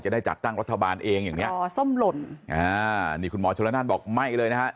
จะได้จัดตั้งรัฐบาลเองอย่างนี้อ๋อส้มหล่นนี่คุณหมอชะละนั่นบอกไม่เลยนะครับ